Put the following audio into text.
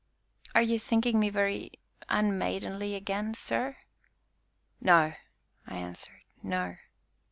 "Are you thinking me very unmaidenly again, sir?" "No," I answered; "no."